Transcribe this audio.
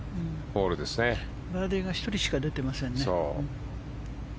バーディーが１人しか出てませんね。